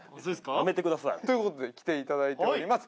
やめてくださいということで来ていただいております